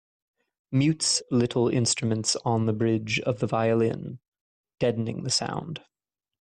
Mutes little instruments on the bridge of the violin, deadening the sound.